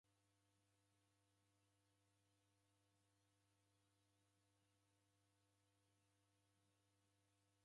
Kureda vilambo kufuma kimonu koko na iguri ibaa ja kodi.